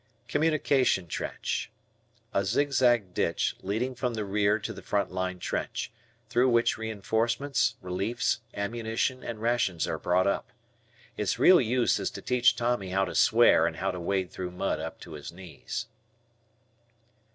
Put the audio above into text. Communication Trench. A zigzag ditch leading from the rear to the front line trench, through which reinforcements, reliefs, ammunition, and rations are brought up. Its real use is to teach Tommy how to swear and how to wade through mud up to his knees.